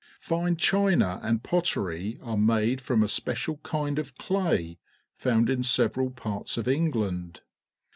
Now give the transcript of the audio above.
Fme china and pottex^ are made from a special kind of clay found in several parts of England.